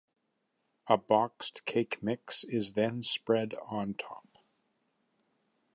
A boxed cake mix is then spread on top.